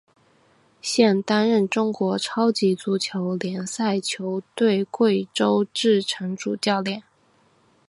现担任中国超级足球联赛球队贵州智诚主教练。